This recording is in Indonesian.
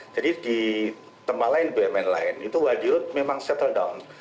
jadi di tempat lain bumn lain itu wadirut memang settle down